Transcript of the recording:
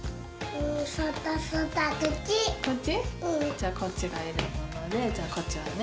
じゃあこっちがいるものでじゃあこっちはね